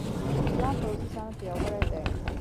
د ایران پوځي صنعت پیاوړی دی.